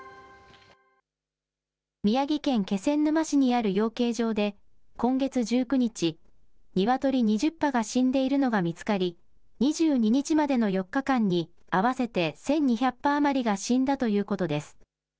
宮城県気仙沼市にある養鶏場で、今月１９日、ニワトリ２０羽が死んでいるのが見つかり、２２日までの４日間に、合わせて１２００羽余りが死んだということです。